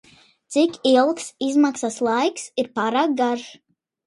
Cik ilgs izmaksas laiks ir pārāk garš?